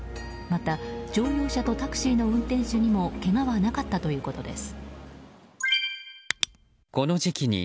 また、乗用車とタクシーの運転手にもけがはなかったということです。